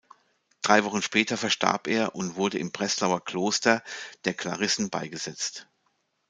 Drei Wochen später verstarb er und wurde im Breslauer Kloster der Klarissen beigesetzt.